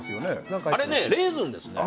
あれはレーズンですね。